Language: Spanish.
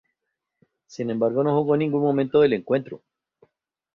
Sin embargo, no jugó ningún minuto del encuentro.